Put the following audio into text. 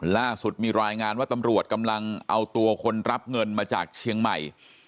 ล่าสุดมีรายงานว่าตำรวจกำลังเอาตัวคนรับเงินมาจากเชียงใหม่